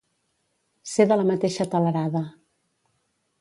Ser de la mateixa telerada.